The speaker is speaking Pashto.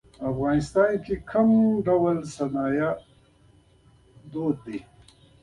په افغانستان کې کوم ډول لاسي صنایع دود دي.